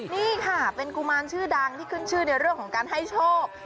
นี่ค่ะเป็นกุมารชื่อดังที่ขึ้นชื่อในเรื่องของการให้โชค